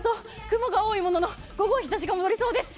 雲が多いものの午後、日差しが戻りそうです。